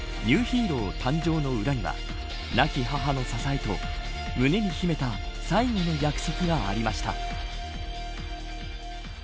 ニューヒーロー誕生の裏には亡き母の支えと胸に秘めた最後の約束がありました。